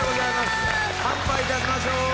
乾杯いたしましょう！